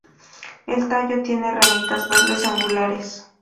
El tallo tiene ramitas verdes angulares.